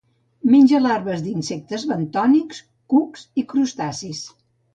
Menja larves d'insectes bentònics, cucs i crustacis.